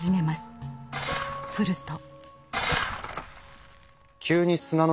すると。